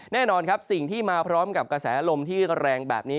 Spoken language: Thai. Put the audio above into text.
แน่นอนครับสิ่งที่มาพร้อมกับกระแสลมที่แรงแบบนี้